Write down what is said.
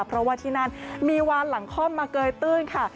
เพราะว่าที่นั่นมีวานหลังคล่อมมาเกยตื้นค่ะ